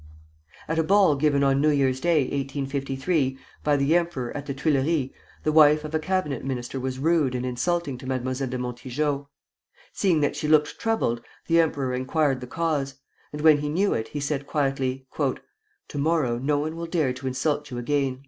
At a ball given on New Year's Day, 1853, by the emperor at the Tuileries, the wife of a cabinet minister was rude and insulting to Mademoiselle de Montijo. Seeing that she looked troubled, the emperor inquired the cause; and when he knew it, he said quietly: "To morrow no one will dare to insult you again."